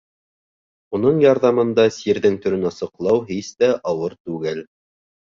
Уның ярҙамында сирҙең төрөн асыҡлау һис тә ауыр түгел.